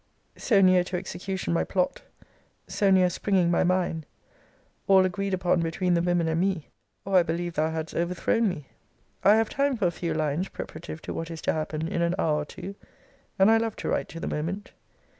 So near to execution my plot; so near springing my mine; all agreed upon between the women and me; or I believe thou hadst overthrown me. I have time for a few lines preparative to what is to happen in an hour or two; and I love to write to the moment.